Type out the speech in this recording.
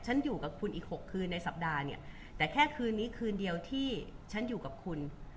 ฉันอยู่กับคุณอีกหกคืนในสัปดาห์เนี่ยแต่แค่คืนนี้คืนเดียวที่ฉันอยู่กับคุณ